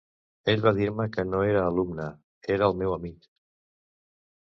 Ell va dir-me que no era alumne, era el meu amic.